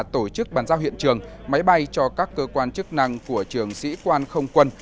tổ chức bàn giao hiện trường máy bay cho các cơ quan chức năng của trường sĩ quan không quân